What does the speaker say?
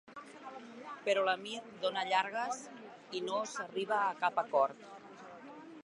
Però l'emir dona llargues i no s'arribà a cap acord.